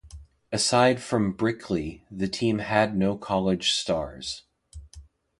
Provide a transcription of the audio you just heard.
Aside from Brickley, the team had no college stars.